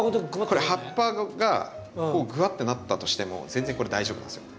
これ葉っぱがグワッてなったとしても全然これ大丈夫なんですよ。